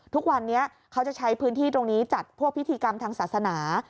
ทุกวันนี้เขาจะใช้พื้นที่ตรงนี้จัดพวกพิธีกรรมทางศาสนา